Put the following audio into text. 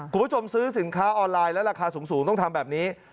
คุณผู้ชมซื้อสินค้าออนไลน์และราคาสูงต้องทำแบบนี้